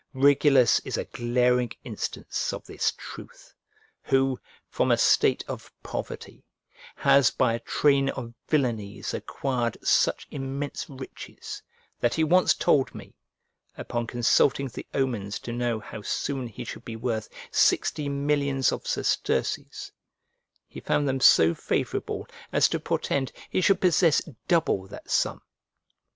Regulus is a glaring instance of this truth, who, from a state of poverty, has by a train of villainies acquired such immense riches that he once told me, upon consulting the omens to know how soon he should be worth sixty millions of sesterces, he found them so favourable as to portend he should possess double that sum.